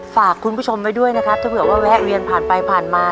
ฝากคุณผู้ชมไว้ด้วยนะครับถ้าเผื่อว่าแวะเวียนผ่านไปผ่านมา